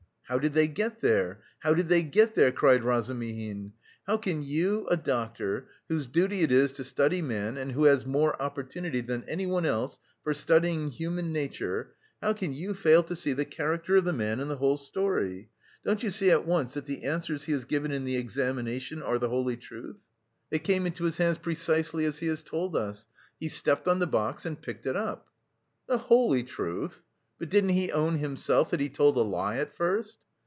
"How did they get there? How did they get there?" cried Razumihin. "How can you, a doctor, whose duty it is to study man and who has more opportunity than anyone else for studying human nature how can you fail to see the character of the man in the whole story? Don't you see at once that the answers he has given in the examination are the holy truth? They came into his hand precisely as he has told us he stepped on the box and picked it up." "The holy truth! But didn't he own himself that he told a lie at first?"